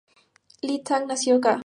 Li Tang nació ca.